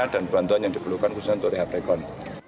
dan bantuan yang diperlukan khususnya untuk rehab rekon